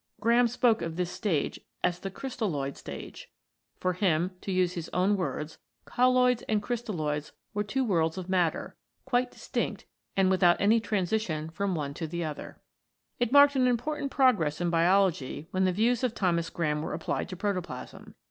Graham spoke of this stage as the Crystalloid Stage. For him, to use his own words, Colloids and Crystalloids were two worlds of matter, quite distinct and without any transition from one to the other. 20 COLLOIDS IN PROTOPLASM It marked an important progress in Biology when the views of Thomas Graham were applied to protoplasm.